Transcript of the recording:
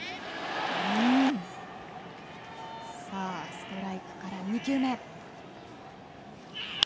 ストライクから、２球目。